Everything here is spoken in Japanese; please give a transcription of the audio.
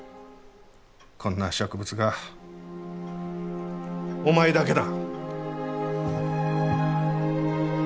こんな植物画お前だけだ。